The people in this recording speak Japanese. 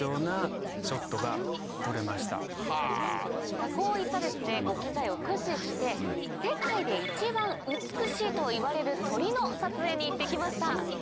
さぁこういった機材を駆使して世界で一番美しいといわれる鳥の撮影に行ってきました。